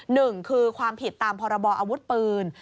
หนึ่งคือความผิดตามพรบออาวุธปืน